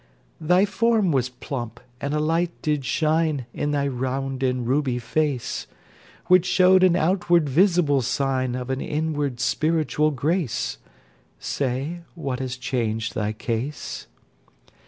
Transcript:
Thy form was plump, and a light did shine In thy round and ruby face, Which showed an outward visible sign Of an inward spiritual grace: Say, what has changed thy case?